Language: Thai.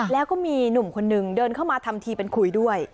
แล้วก็มีหนุ่มคนนึงเดินเข้ามาทำทีเป็นคุยด้วย